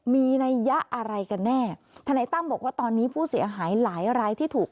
มีนัยยะอะไรกันแน่ทนายตั้มบอกว่าตอนนี้ผู้เสียหายหลายรายที่ถูก